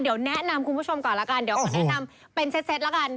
เดี๋ยวแนะนำคุณผู้ชมก่อนละกันเดี๋ยวขอแนะนำเป็นเซ็ตละกัน